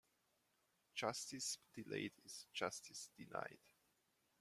Justice delayed is justice denied.